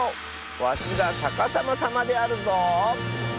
わしがさかさまさまであるぞ。